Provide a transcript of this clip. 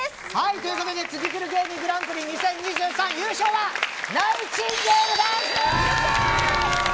ということでツギクル芸人グランプリ２０２３優勝はナイチンゲールダンス。